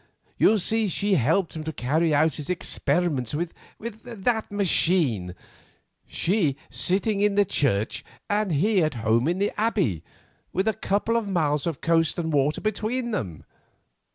You see she helped him to carry on his experiments with that machine, she sitting in the church and he at home in the Abbey, with a couple of miles of coast and water between them.